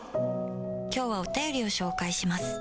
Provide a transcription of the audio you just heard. きょうはお便りを紹介します。